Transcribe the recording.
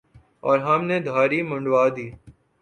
اور ہم نے دھاڑی منڈوادی